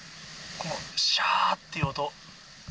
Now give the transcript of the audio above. このしゃーっていう音。